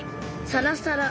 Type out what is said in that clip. さらさら。